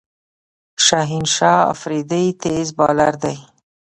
شاهین شاه آفريدي تېز بالر دئ.